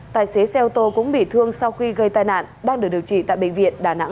tài xế xe ô tô cũng bị thương sau khi gây tai nạn đang được điều trị tại bệnh viện đà nẵng